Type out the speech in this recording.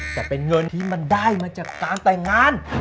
แต่เป็นเงินที่มันได้มาจากการแต่งงาน